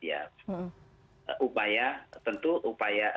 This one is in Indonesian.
ya tentu upaya